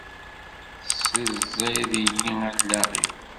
Tessezziḍ-iyi allaɣ-iw!